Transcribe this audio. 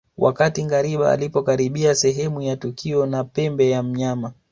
Wakati ngariba alipokaribia sehemu ya tukio na pembe ya mnyama